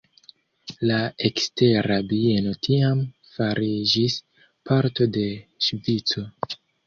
La Ekstera Bieno tiam fariĝis parto de Ŝvico.